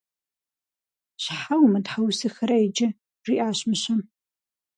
Щхьэ умытхьэусыхэрэ иджы? – жиӏащ мыщэм.